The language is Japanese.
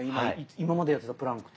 今までやってたプランクと。